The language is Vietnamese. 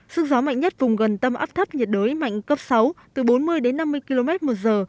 sức gió mạnh nhất vùng gần tâm áp thấp nhiệt đới mạnh cấp sáu từ bốn mươi đến năm mươi km một giờ